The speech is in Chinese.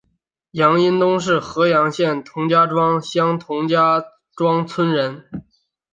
杨荫东是合阳县同家庄乡同家庄村人。